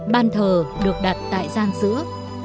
ban thờ được đặt tại gian giữa